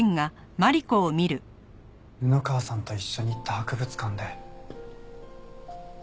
布川さんと一緒に行った博物館で。